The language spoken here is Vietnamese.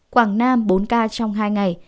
quảng nam bốn ca trong hai ngày